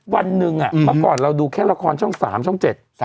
วันหนึ่งเมื่อก่อนเราดูแค่ละครช่อง๓ช่อง๗